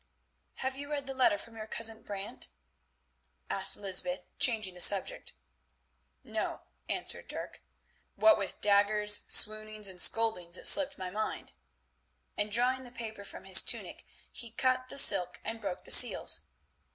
"Have you read the letter from your cousin Brant?" asked Lysbeth, changing the subject. "No," answered Dirk, "what with daggers, swoonings, and scoldings it slipped my mind," and drawing the paper from his tunic he cut the silk and broke the seals.